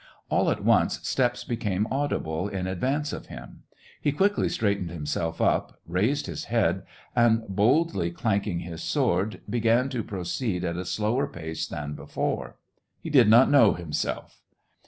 All at once steps became audible in advance of him. He quickly straightened himself up, raised his head, and, boldly clanking his sword, began to proceed at a slower pace than before. He did not know himself.